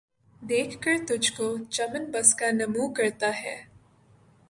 دیکھ کر تجھ کو ، چمن بسکہ نُمو کرتا ہے